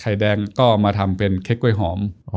แดงก็มาทำเป็นเค้กกล้วยหอม